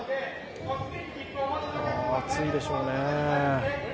暑いでしょうね。